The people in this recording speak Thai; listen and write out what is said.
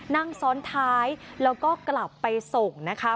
นั่งซ้อนท้ายแล้วก็กลับไปส่งนะคะ